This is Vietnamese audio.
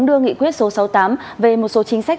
đưa nghị quyết số sáu mươi tám về một số chính sách